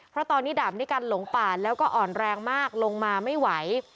เพราะตอนนี้ดาบด้วยกันหลงป่าแล้วก็อ่อนแรงมากลงมาไม่ไหว